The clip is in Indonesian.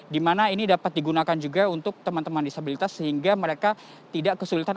di mana ini dapat digunakan juga untuk teman teman disabilitas sehingga mereka tidak kesulitan